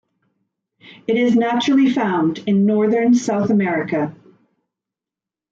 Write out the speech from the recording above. It is naturally found in northern South America.